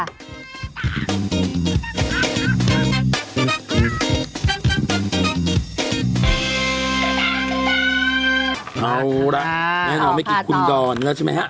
เอาล่ะแน่นอนไม่กินคุณดอนนะใช่ไหมฮะ